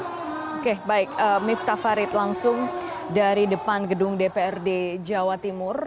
oke baik miftah farid langsung dari depan gedung dprd jawa timur